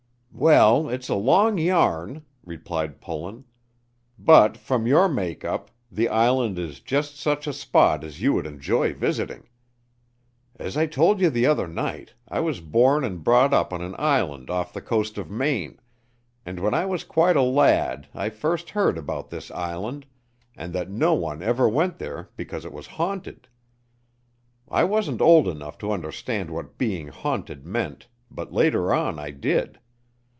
"Well, it is a long yarn," replied Pullen, "but, from your make up, the island is just such a spot as you would enjoy visiting. As I told you the other night, I was born and brought up on an island off the coast of Maine, and when I was quite a lad I first heard about this island, and that no one ever went there because it was haunted. I wasn't old enough to understand what being haunted meant, but later on I did.